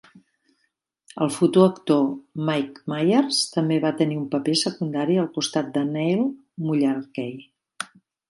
El futur actor Mike Myers també va tenir un paper secundari al costat de Neil Mullarkey.